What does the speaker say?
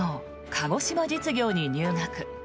鹿児島実業に入学。